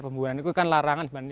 pemburuan itu kan larangan sebenarnya